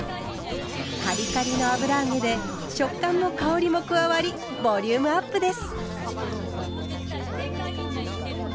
カリカリの油揚げで食感も香りも加わりボリュームアップです。